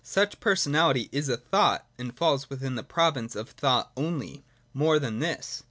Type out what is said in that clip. Such per sonality is a thought, and falls within the province of thought only. More than this.